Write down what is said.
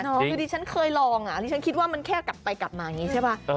คือดิฉันเคยลองหรือฉันคิดว่ามันแค่กลับไปกลับมาใช่ป่ะ